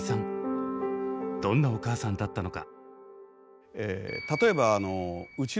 どんなお母さんだったのか？